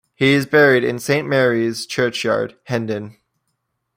He is buried in Saint Mary's Churchyard, Hendon.